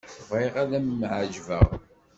Bɣiɣ ad m-εeǧbeɣ.